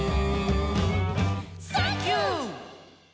「サンキュー！」